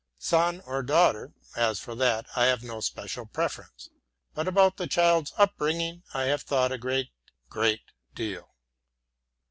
Son or daughter, as for that I have no special preference. But about the child's bringing up I have thought a great, great deal.